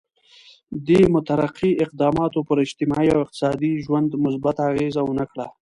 دې مترقي اقداماتو پر اجتماعي او اقتصادي ژوند مثبته اغېزه ونه کړه.